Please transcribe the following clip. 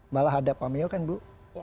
malah hadap pameo kan bu